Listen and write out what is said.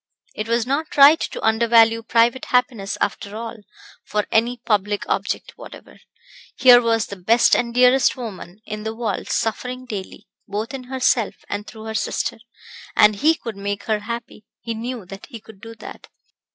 It was not right to undervalue private happiness, after all, for any public object whatever. Here was the best and dearest woman in the world suffering daily, both in herself and through her sister, and he could make her happy; he knew that he could do that.